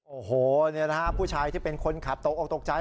โอ้โหผู้ชายที่เป็นคนขับโต๊คตกใจ